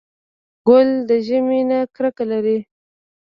ګل د ژمي نه کرکه لري.